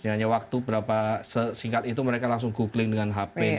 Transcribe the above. hanya waktu berapa singkat itu mereka langsung googling dengan hp